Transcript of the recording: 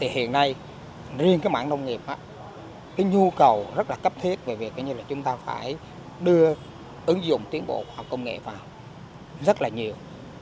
hiện nay riêng cái mảng nông nghiệp cái nhu cầu rất là cấp thiết về việc như là chúng ta phải đưa ứng dụng tiến bộ khoa học công nghệ vào rất là nhiều